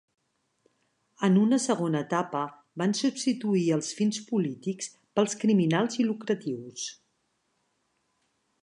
En una segona etapa van substituir els fins polítics pels criminals i lucratius.